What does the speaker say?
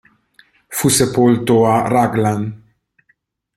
Fu sepolto a Raglan.